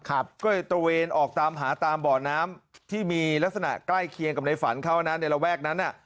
ก็เลยตระเวนออกตามหาตามบ่อน้ำที่มีลักษณะใกล้เคียงกับในฝันเขานะในระแวกนั้นอ่ะ